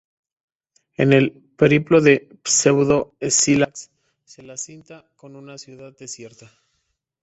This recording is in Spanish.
En el "Periplo de Pseudo-Escílax" se la cita como una ciudad desierta.